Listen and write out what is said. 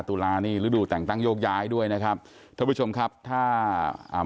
ตุลานี่ฤดูแต่งตั้งโยกย้ายด้วยนะครับท่านผู้ชมครับถ้าอ่า